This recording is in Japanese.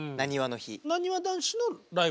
なにわ男子のライブ？